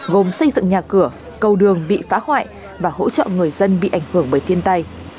gồm xây dựng nhà cửa cầu đường bị phá hoại và hỗ trợ người dân bị ảnh hưởng bởi thiên tai